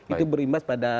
itu berimbas pada